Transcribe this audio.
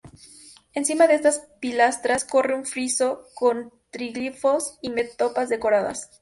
Encima de estas pilastras corre un friso, con triglifos y metopas decoradas.